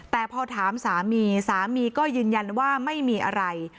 แต่พอถามสามีสามีก็ยืนยันว่าไม่มีอะไร